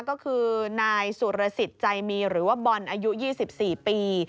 ก็คือนายสุรสิทธิ์ใจมีหรือว่าบอลอายุ๒๔ปี